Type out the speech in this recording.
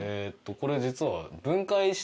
これ実は。